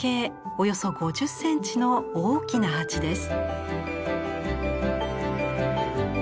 およそ５０センチの大きな鉢です。